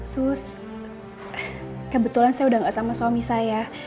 sus kebetulan saya udah gak sama suami saya